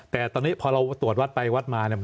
แต่ตอนนี้พอเราตรวจวัดไปวัดมาเนี่ย